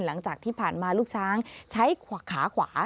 หลังจากที่ผ่านมาลูกช้างใช้ขาขวา